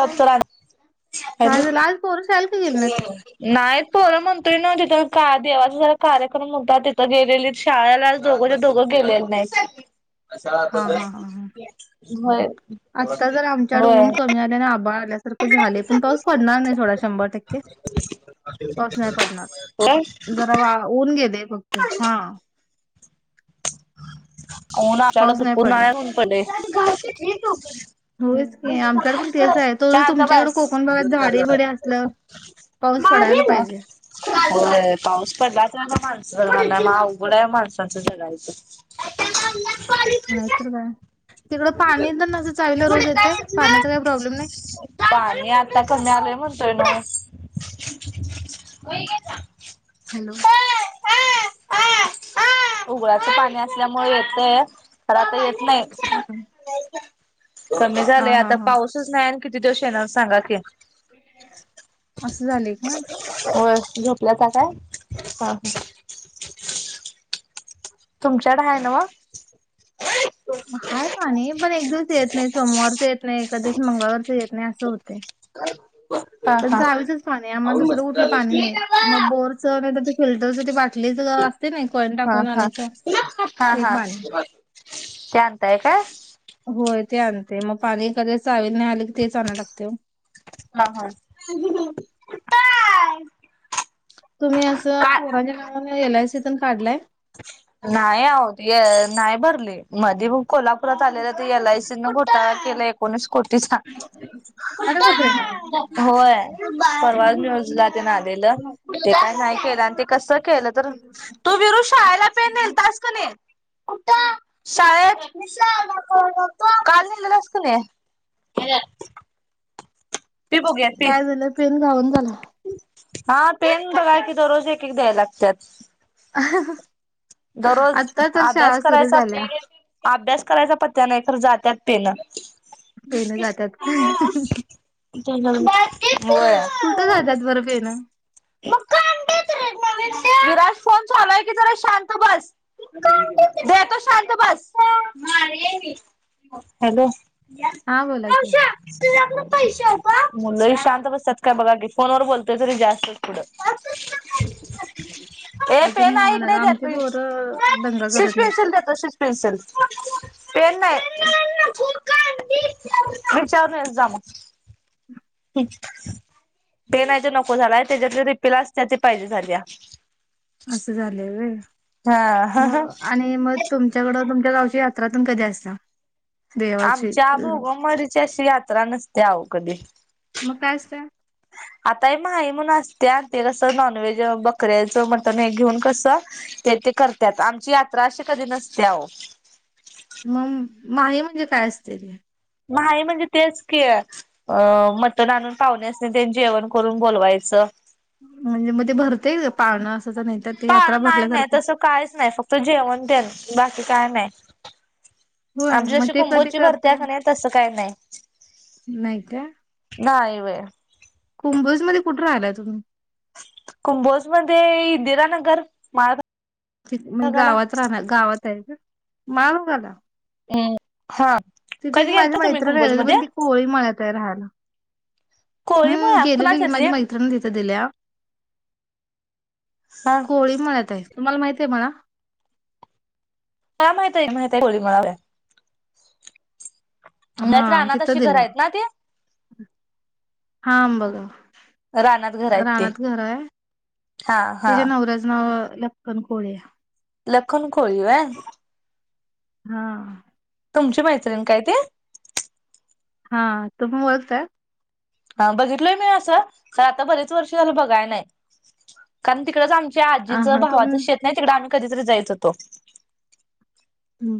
सतरा [unintelligible] [inaudible] जलाल सल नाही पोलं मंत्री न तिथं का! देवाचा जरा कार्यक्रम होता, तिथं गेलेली. शाळेला दोघं दोघं गेलेले नाही! ह! ! हा! हा! हा! ह! होय ! आत्ता जर आमच्याकड होय ऊन कमी, आल्याने आबाळ आल्यासार झाले पण पाऊस पडणार नाही, थोडा शंभर टक्के! पास नाही पडणार जरा वा ऊन गेले फक्त हा! होन साड पाऊस नाही दपूर पडणार. नान पडे! होच की आमच्याकडे पण तेच आहे त तुमच्याकडे, बस कोकण भागात झाडे फडे असल्या पाऊस पडायला पाहिजे! ब पाऊस पडला तर ना? माणस ज मग अवघडा आहे माणसांचं जगायचं! [inaudible] [unintelligible] [inaudible] नाहीतर काय तिकडं पाणी तर नस चावीलं रोज, येते पाण्याचा काही प्रॉब्लेम नाही! पाणी आता कमी आलंय, म्हणतोय मी! हो! गेला. हॅलो! ! उघड्याच पाणी, असल्यामुळे येतय तर आता येत नाही! हम! ! कमी झालेय आता हा. पाऊसच नाही, आणि किती दिवशी येणार सांगा की? असं झाले का? व झोपलं का! काय हा ह! ! तुमच्याकडं हाय नव्हं? हाय पाणी पण एक दिवस येत नाय, सोमवारचं येत नाय, कधी मंगळवारचं येत नाय, असं होतंय. काय? पण चावीचंच पाणीयं. आम्हाला दुसरं कुठलं पाणी नाहीयं. मग बोर [unintelligible] फिल्टरचं ते बाटलीचं असते ना एक कॉइन हा टाकून हा आणायचं, ते पाणी. चार. होय ते आणते. मग पाणी एखादे वेळेस चावीत नाही आलं की, तेच आणाय लागतेयं. [unintelligible] काय तुम्ही असं पोरांच्या नावानं, एल आय सी पण काढलाय? नाय अवो, ते ए नाय भर मधे मग कोल्हापुरात आलेलं, ते एल आय सी नं घोटाळा केलाय, एकोणीस कोटीचा. अरे बापरे होय, परवाचं न्यूजला तेनं आलेलं. ते काय नाही केलं आणि ते कसं केलं तर, तू विरू शाळेला पेन नेलतास का नी? कुटं? शाळेत? काल न्हेलेलास कनाई? ते बघूयात. काय झालं, पेन घावंना झाला. हा, पेन बघा की, दररोज एक एक द्यायला लागत्यात. अ दररोज अभ्यास करायचा झाल्या [unintelligible] अब्यास करायचा पत्त्या नाय, तर जात्यात तेनं. पेन जात्यात होय. कुटं जात्यात बरं पेनं? विराज, फोन चालू आहे की, जरा शांत बस. देतो शांत बस. हॅलो! हां बोला की. मुलंही शांत बसतात का बघा की, फोनवर बोलतोय तरी जास्तचं पुढं. ऑफिसला चालली काय? ए, अजून पेन हाय इकडं म्हणाला ये, आमची देतो ये, पोरं दंगा करत नाहीत शिशपेन्सिल देतो. शिस पेन्सिल. पेन नाही, विच्यारून ये जा, जा मग. हूं. पेन हाय ती नको झालाय. तेच्यात ती रिफिल असत्या ती पाहिजे झालीया. आसं झालेयं वय. हा. म आणि मग तुम च्याकडं, तुमच्या गावच्या यात्रा तून कधी असता? आमच्या भोगंमरीची अशी यात्रा नसते अवं कदी. मग काय असतंय? आता हे माही म्हणून असत्या. ते कसं नॉनव्हेज, बकऱ्याचं मटण हे घेऊन कसं त्यात ते करत्यात. आमची यात्रा अशी कधी नसती आवो. मग माही म्हणजे काय असतंय ते? माही म्हणजे तेच की अ, मटण आणून पावण्यासनी ते जेवण करून बोलवायचं. म्हणजे मग ते भरतयं व्हय, पाळणा असायचा नाहीतर ते पा यात्रा नाही नाही भरल्यासारखं. तसं कायच नाय फक्त जेवण तेनं, बाकी काय नाय. होय आमची मग जशी ते कधी कुंभोजची भरत्या करताय? कनी, तसं काय नाय. नाय का. नाय वय. कुंभज मध्ये कुठं रहायलाय तुम्ही? कुंभोज मध्ये इंदिरा नगर माळ घा तिथ गावात राहणार गावात आहे का? माळ गाला. हम्म [inaudible] हा [inaudible] एक कधी माझी गेलता तुम्ही मैत्रीण कुंभोज राहिलेली मध्ये? पण ती कोळी मळ्यात हाय राहायला. कोळी हम् मळा गेलेलो की कुणाच्यातली माझी मै त्रिन तिथं दिल्या हा [inaudible] कोळी मळ्यात हाय. तुम्हाला माहित हाय मळा? मळा माहिताय की, माहिताय कोळी मळा. हा त्यात रानात तिथं अशी घर दिल्या. आहेत ना ते [inaudible] हा बघा. रानात घर आहेत ते रानात घर हाय. हा [inaudible] हा तिच्या नवऱ्याचं नाव लख्खन कोळी हाय. लख्खन कोळी व्हय. हा तुमची मैत्रिण काय ती. हा तुम्ही ओळखताय? हा बघितलोय मी असं पण आता बरेच वर्ष झालं बघाय नाही. कारण तिकडच आम च्या आ आजींच हा तुम भावाचं शेत नाही तिकडं आम्ही कधीतरी जायचो तो.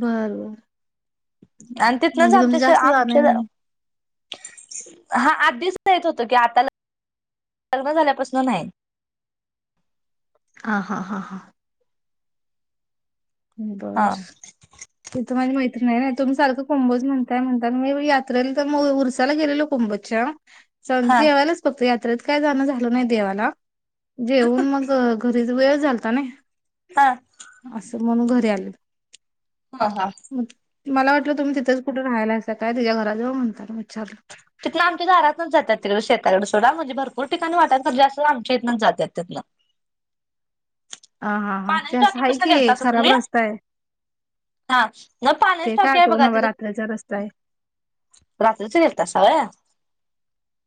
बर बर आणि तिथनच म्हणजे तुमचं आमच्या शे जास्त जाणं आमच्या येणं नाही हा [unintelligible] होत कि आता लग्न झाल्यापासन नाही. हा हा हा हां हा बस तिथ माझी मैत्रीण आहे ना. तुम्ही सारखं कुंभोज म्हणताय म्हणतान मी यात्रेला तर मग उरसाला गेलेलो कोंबोज- अच्छा. हा जेवायलाच फक्त यात्रेत काय जाणं झाल नाही देवाला. जेऊन मग घरीच वेळ झालता नाही. हा असं म्हणून घरी आलो. हा हा मग मला वाटलं तुम्ही तिथंच कुठे राहायला हाईसा काय? तिच्या घरा जवळ म्हणतान विचारलो. तिथन आमच्या दारातनच जात्यात. तिकड शेताकड सोडा म्हणजे भरपूर ठिकाणी वाटा. सगळी असून आमच्या इथनच जात्यात तिथन. ह हा हा ते पाण्याच्या असं हाय टाकीपासून की गेलतासा खराब तुम्ही? रस्ता हाय. हा न्हव पाण्याची ते काय टाकी आहे बघा आठवना बा रात्रीचा रस्ता तिथं आहे रात्रीच गेलतासा व्हय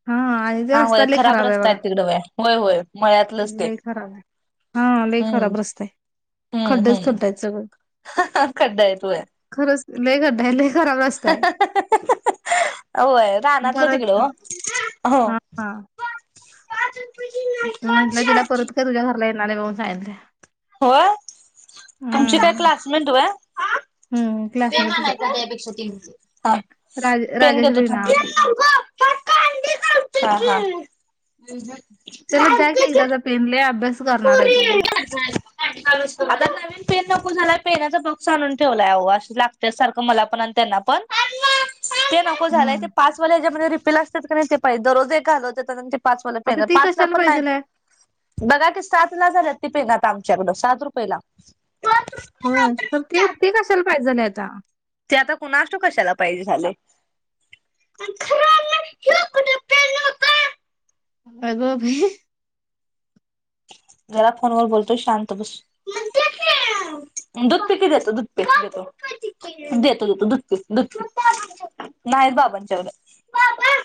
हा आणि ते हा रस्ता होय लय खराब आहे रस्ताय बघा तिकड व होय, होय मळ्यातलंच ते लय खराब आहे हा लई खराब रस्ता आहेय. हा हा त्या [inaudible] ह हां खड्डा येतोय. खरंच लई खड्डे लई खराब रस्ता हं आहे हं हं हं होय रानातलं परत तिकडं ओ हो हा हा [inaudible] म्हटलं तिला परत कधी तुझ्या घरला येणार नाही. म्हणून सांगितलय. होय [inaudible] तुमची काय? हम्म क्लासमेंट व्हय. हम्म तेे क्लासमेटच आहे म्हणायचा माह्यापेक्षा ती राज पेन देतो राजश्री थांब. नाव आहे तिचं [inaudible] हं हम ह [inaudible] त्याला द्या क एकदाचा पेन. लई अभ्यास करणार आहे. तो झालं का? आता नवीन पेन नको झालाय, पेनाच बॉक्स आणून ठेवलायवं. अहो अस लागत्यात सारखं मला पण अन त्यांना पण [inaudible] ते नको झालंय. ते हम्म पाचवाला याच्यामध्ये रिफिल असतात का नाही, ते पाहिजे दररोज एक घालवत्यात आणि पाचवाल आता पेन, ती पाच ला कशाला पण नाही. पाहिजेल आहे बघा की, सात ला झालेत ती पेन आता आमच्याकड सात रुपयेला. हं, पण ते ते कशाला पाहिजेलं आता? ते आता कुणाष्टव कशाला पाहिजे झालंय? आणि खरं आणलं ह्यो कुठं पेन मागतोय. अगं भई! जरा फोनवर बोलतो शांत बस. मग दे की! दूध पी की देतो दूध पे. गणपती देतो देतो दूध पी दूध पी. सुट्ट पाहिजे, नाहीत बाबांच्याकड बाबा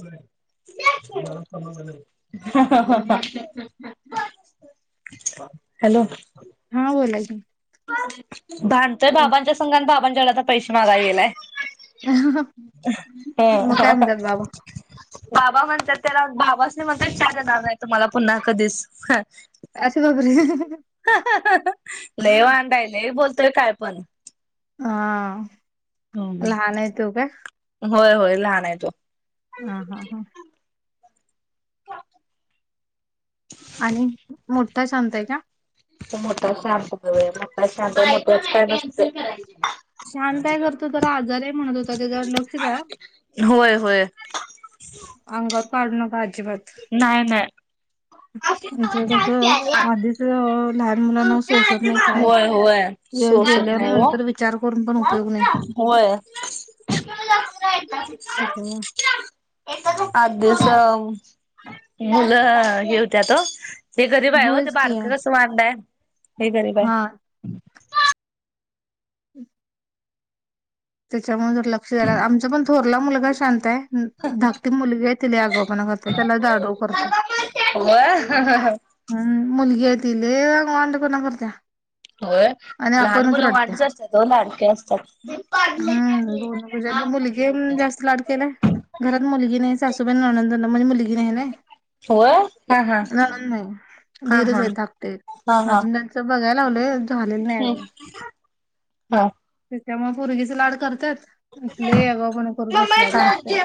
दे की, हं हं हं - पच, हॅलो. हां बोला की, भांडतोय बाबांच्यासंग आणि बाबांच्याकड आता पैसे मागाय गेलाय. हं मग हां हां. काय म्हणतात बाबा बाबा म्हणतात, त्याला बाबासनी म्हणतोय चहा देणार नाही. तुम्हाला पुन्हा कधीच हं असं बापरे! हं हं हं. लई वांड हाय. लई बोलतोय काय पण? हां. लहान आहे तो का? होय -होय लहान आहे तो! हां हां हां. आणि मोठा शांत हाय का? तो मोठा शांत हाय. होय मोठा शांत, बायको हाय कॅन्सल करायची. मोठ्याच काय नसतं. शांत हाय खरं, तो जरा आजारी हाय म्हणत होता. त्याच्याकड लक्ष द्या. होय होय. अंगावर पाडू नका अजिबात! नाही नाही. आजी कवा चहा प्यायला? त्यो ओ लहान मुलांना सोसत नाही काय? होय होय वेळ सोसत नाही हो. गेल्यानंतर वि चार करून पण उपयोग नाही. होय. [inaudible] आधीच एखाद खाऊ काय? मुलं हे होत्यात हो हे गरीब आहे हो, ते होयच की बारकं कसं वांड हाय! हे गरीब आहे. हा हं. त्याच्यामुळं जर ला जरा आमचा पण थोरला मुलगा शांत आहे. धाकटी मुलगी आहे ती लई आगाऊपणा करत्या. त्याला दाडरोप करत्या. हा. होय. अं हं हं हं. हं, मुलगी हाय ती लई वांडपणा करत्या. होय. आणि लहान आपणच मुलं रडत्या वांडच असत्यात, ओ लाडकी असत्यात हं, दोन ह्याचात मुलगी हाय म्हणून जास्त लाड केलाय घरात मुलगी नाहीच. सासूबाईंना ननंद ना म्हणजे मुलगी नाय नाही. होय हा हा नणंद नाही, हा दिरचं हा आहेत धाकटे एक. हा हा अजून त्यांचं बघाय लागलोय, झालेलं नाही हम्म अजुन. हा त्यच्यामुळं पोरगीचं लाड करत्यात, लई आगाऊपणा करू बसल्यात बसत्यात.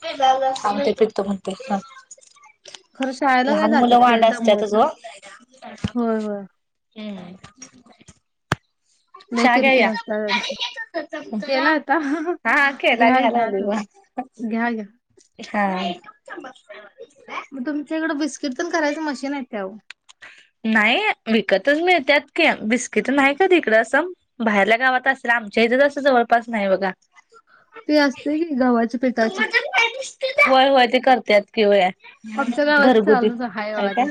पेल्््् थांब ते पित्त म्हणते थांब. खरं शाळेला काय जातात ते एक दम असत्यातच ओ. नाही होय,. होय हूं... लई चहा घ्या किरकिर या. असत्या त्यांची. केला होता हा, हा. केला घ्याल घ्याय घ्या तुम्ही घ्या, घ्या. इ हा. थांबस आ... मग तुमच्या इकडं बिस्किट तेन करायचं मशीन हाय काय वो? नाही विकतचं मिळत्यात की, बिस्किट नाही कधी ईकडं असं. बाहेरल्या गावात असेल आमच्या इथे जास्त जवळपास नाही बघा. ते असतयं की गव्हाच्या पिठाचे. व्हयं-व्हयं ते करत्यात कि व्हय आमच्या गावात घरगुती चालूच आहे काय बघा ते. काय.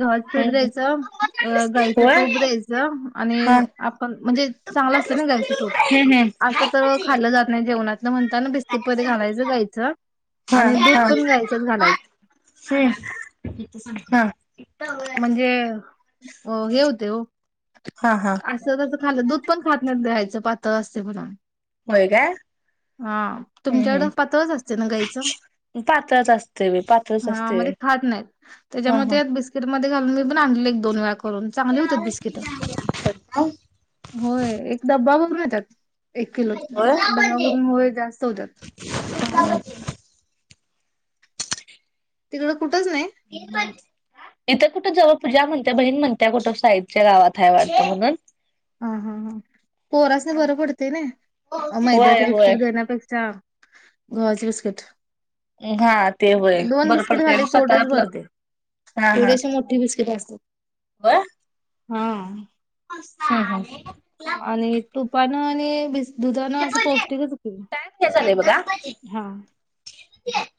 गव्हाचं पिठ हम्म द्यायचं, अ हम्म गाईचं होय तूप द्यायचं आणि हा आपण म्हणजे चांगलं असतयं ना गायचं तूप हम्म असं त खाल्लं जात नाही जेवणा तिनं म्हणताना बिस्कीटात घालायचं गायीचं हम्म आणि दूध पण गायीचंच घालायचं. छे किती सांगण्या बग म्हणजे हे हुतयं हो हा हा असं तस खाल्लं दूध पण खात नाही दह्याचं पातळ असतयं म्हणून. व्हय काय. हा.. हम्म तुमच्याकडं हम्म पातळच असतय ना गाईचं? पातळच असते पातळच हा म असते ते खात नाहीत हा हा. त्याच्यामध्ये बि स्कीटमध्ये घालून मी पणं आणलेलं एक -दोन वेळा करून चांगली होत्यात बिस्किटं. होय एक डब्बावर होत्यात. एक किलोत, डबा भरून होय जास्त होत्यात. [unintelligible] तिकडं कुठंच नाही. नीट बस इथं कुठं जवळ पूजा म्हणत्या, बहीण म्हणत्या कुठं साइटच्या गावात हाय वाटतं म्हणून. हा. हा. हा. पोरासनी बरं पडतंय नाई मैद्याचे होय होय बिस्किट देण्यापेक्षा गव्हाचं बिस्किट. हा ते होय दोन बरं बिस्किटं पडतय खाल्ली आणि की स्वतः पोटचं आपलं भरतयं. एवढीशी मोठी बिस्किटं असत्यात. व्हयं. हा आ. मस्त आहे क्लाप हां. हा. आणि तुपानं आणि बिस दुधानं असं पौष्टिकच हुतयं की, टाइम हां.. हीन ती...